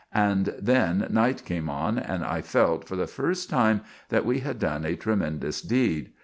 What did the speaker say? And then night came on, and I felt, for the first time, that we had done a tremendous deed.